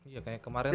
iya kayak kemarin tuh